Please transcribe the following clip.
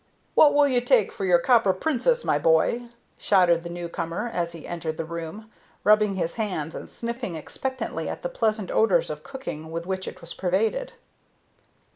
"What will you take for your Copper Princess, my boy?" shouted the new comer as he entered the room, rubbing his hands and sniffing expectantly at the pleasant odors of cooking with which it was pervaded.